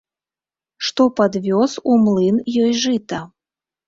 Што падвёз у млын ёй жыта.